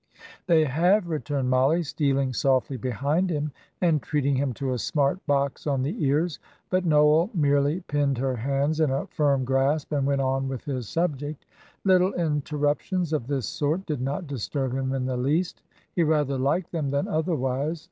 "They have," returned Mollie, stealing softly behind him and treating him to a smart box on the ears; but Noel merely pinned her hands in a firm grasp and went on with his subject: little interruptions of this sort did not disturb him in the least; he rather liked them than otherwise.